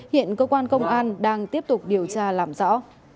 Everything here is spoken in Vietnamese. hiện cơ quan công an đang tiếp tục điều tra làm rõ